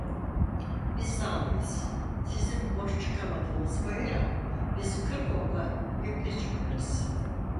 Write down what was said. Biz dağlıyız, sizin boş çıkamadığınız bayıra biz kırk okka yükle çıkarız!